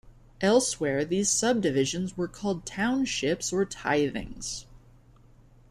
Elsewhere, these subdivisions were called "townships" or "tithings".